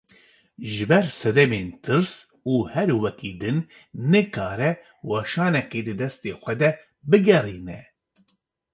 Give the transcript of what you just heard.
Ji ber sedemên tirs û herwekî din, nikare weşanekê di destê xwe de bigerîne